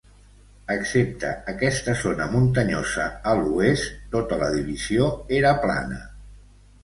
Excepte aquesta zona muntanyosa a l'oest, tota la divisió era plana.